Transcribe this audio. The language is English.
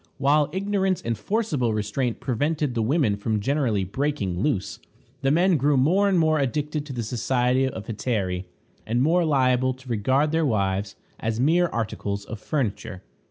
While ignorance and forcible restraint prevented the women from generally breaking loose, the men grew more and more addicted to the society of hetairæ, and more liable to regard their wives as mere articles of furniture.